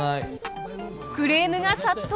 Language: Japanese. クレームが殺到！